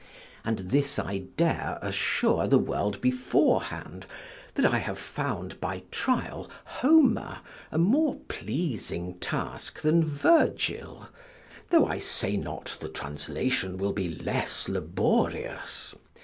And this I dare assure the world beforehand, that I have found by trial Homer a more pleasing task than Virgil, (tho' I say not the translation will be less laborious).